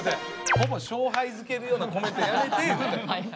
ほぼ勝敗づけるようなコメントやめて。